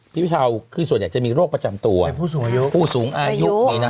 พี่วิทยาวคือส่วนใหญ่จะมีโรคประจำตัวผู้สูงอายุ